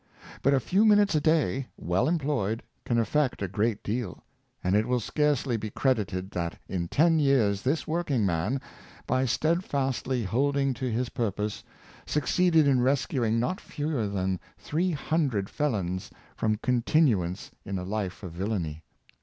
But a few minutes a day, well em ployed, can effect a great deal; and it will scarcely be credited, that in ten years this working man, by stead fastly holding to his purpose, succeeded in rescuing not fewer than three hundred felons from continuance in a Philanthropy of Thomas Wright, 393 life of villainy